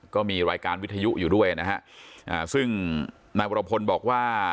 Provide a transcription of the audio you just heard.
ก็มีรายการวิทยุอยู่ด้วยนะฮะอ่าซึ่งนายวรพลบอกว่า